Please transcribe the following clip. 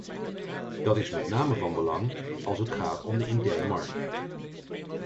Dat is met name van belang als het gaat om de interne markt.